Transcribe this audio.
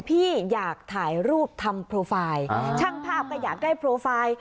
พี่อยากถ่ายรูปทำโปรไฟล์ช่างภาพก็อยากได้โปรไฟล์